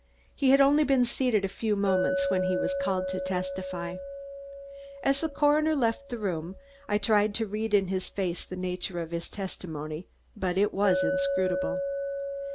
He had only been seated a few moments when he was called to testify. As the coroner left the room, I tried to read in his face the nature of his testimony, but it was inscrutable.